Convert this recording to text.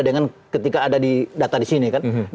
dengan ketika ada di data di sini kan